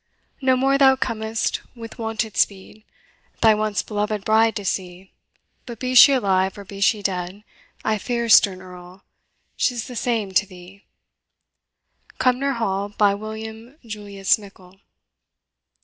No more thou com'st with wonted speed, Thy once beloved bride to see; But be she alive, or be she dead, I fear, stern Earl, 's the same to thee. CUMNOR HALL, by WILLIAM JULIUS MICKLE.